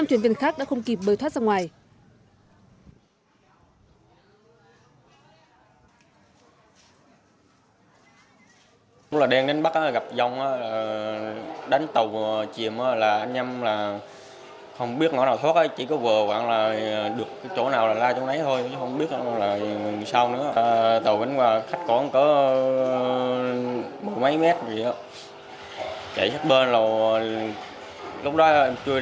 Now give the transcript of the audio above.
năm thuyền viên khác đã không kịp bơi thoát ra ngoài